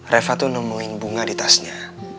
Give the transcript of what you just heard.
reva tuh nemuin bunga di tasnya